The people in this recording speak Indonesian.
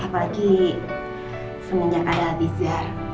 apalagi semenjak ada abizar